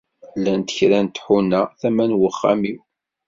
Llant kra n tḥuna tama n uxxam-iw.